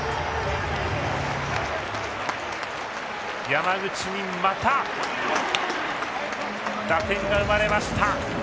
山口にまた打点が生まれました。